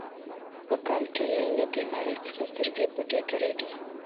په کال کې یې له دې نړۍ څخه سترګې پټې کړې دي.